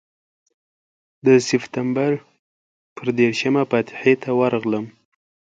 د سپټمبر پر دېرشمه فاتحې ته ورغلم.